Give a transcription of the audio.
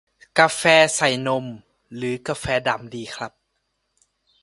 กาแฟใส่นม หรือกาแฟดำดีครับ